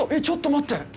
ちょっと待って！